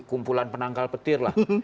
kumpulan penangkal petir lah